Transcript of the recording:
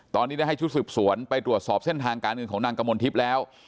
ตอนนี้ได้ให้ชุดสืบสวนไปตรวจสอบเส้นทางการเงินของนางกมลทิพย์แล้ว